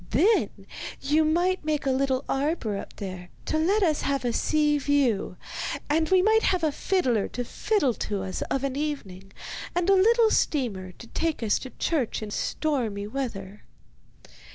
Then you might make a little arbour up there to let us have a sea view; and we might have a fiddler to fiddle to us of an evening, and a little steamer to take us to church in stormy weather.